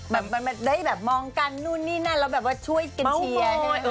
แบบมันได้แบบมองกันนู่นนี่นั่นแล้วแบบว่าช่วยกันเชียร์